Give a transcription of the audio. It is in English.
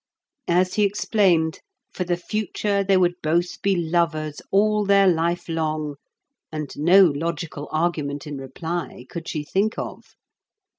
As he explained, for the future they would both be lovers all their life long; and no logical argument in reply could she think of.